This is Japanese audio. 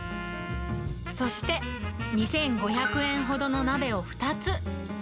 そして、２５００円ほどの鍋を２つ。